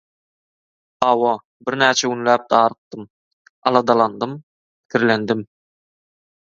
Hawa, birnäçe günläp darykdym, aladalandym, pikirlendim;